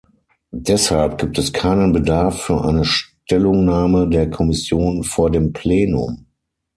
Deshalb gibt es keinen Bedarf für eine Stellungnahme der Kommission vor dem Plenum.